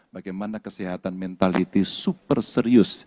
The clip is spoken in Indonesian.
bagaimana kesehatan mentality super serius